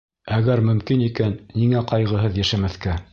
Әгәр мөмкин икән, ниңә ҡайғыһыҙ йәшәмәҫкә!